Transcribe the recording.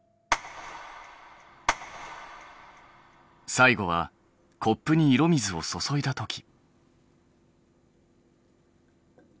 最後はコップに色水を注いだとき。